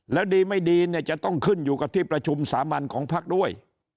แล้วดีไม่ดีเนี่ยจะต้องขึ้นอยู่กับที่ประชุมสามัญของพักด้วย